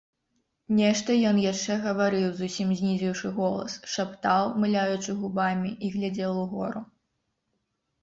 Нешта ён яшчэ гаварыў, зусім знізіўшы голас, шаптаў, мыляючы губамі, і глядзеў угору.